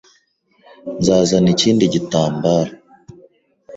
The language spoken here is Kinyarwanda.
Nzazana ikindi gitambaro.